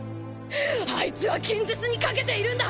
あいつは剣術にかけているんだ！